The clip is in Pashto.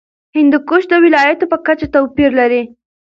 هندوکش د ولایاتو په کچه توپیر لري.